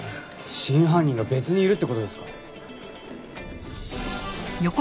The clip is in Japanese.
真犯人が別にいるって事ですか？